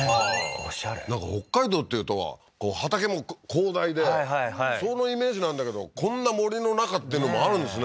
オシャレなんか北海道っていうと畑も広大でそのイメージなんだけどこんな森の中っていうのもあるんですね